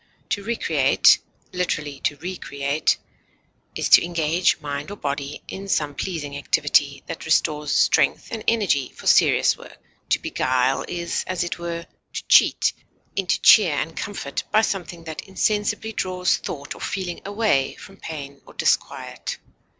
To recreate, literally to re create, is to engage mind or body in some pleasing activity that restores strength and energy for serious work. To beguile is, as it were, to cheat into cheer and comfort by something that insensibly draws thought or feeling away from pain or disquiet.